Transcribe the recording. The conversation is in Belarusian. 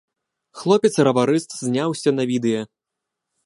Хлопец-раварыст зняў усё на відэа.